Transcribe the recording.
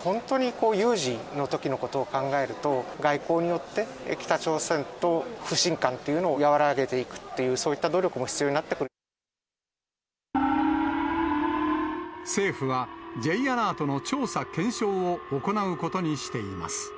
本当に有事のときのことを考えると、外交によって、北朝鮮との不信感っていうのを和らげていくっていう、そういった政府はＪアラートの調査・検証を行うことにしています。